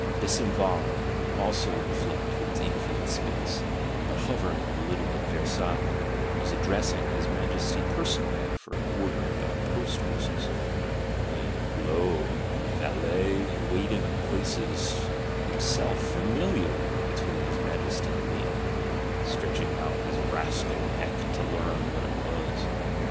Besenval, also in flight towards Infinite Space, but hovering a little at Versailles, was addressing his Majesty personally for an Order about post horses; when, lo, "the Valet in waiting places himself familiarly between his Majesty and me," stretching out his rascal neck to learn what it was!